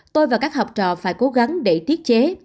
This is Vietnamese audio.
tôi và các học trò phải cố gắng để tiết chế